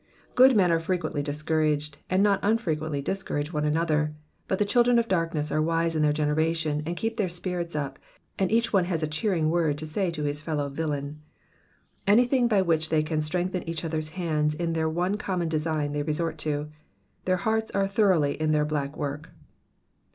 ^'' Good men are frequently discouraged, and not unfrequently discourage one another, but the children of darkness are wise in their generation and keep their spirits up, and each one has a cheering word to say to his fellow villain. Anything by which they can strengthen each other^s hands in their one common desijj^n they resort to ; their hearts are thoroughly in their black work.